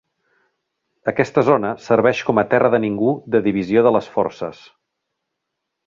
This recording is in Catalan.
Aquesta zona serveix com a terra de ningú de divisió de les forces.